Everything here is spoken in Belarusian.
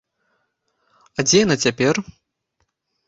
А дзе яна цяпер?